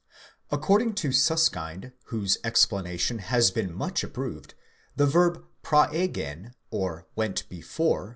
According to Siiskind, whose explanation has been much approved, the verb προῆγεν (went defore) (Vv.